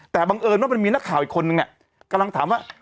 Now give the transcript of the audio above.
แล้วมีนักข่าวอีกคนนึงเนี่ยกำลังถามว่า